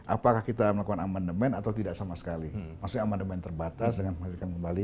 apakah kita melakukan amandemen atau tidak sama sekali maksudnya amandemen terbatas dengan menghadirkan kembali